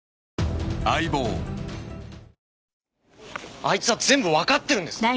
あいつは全部わかってるんです！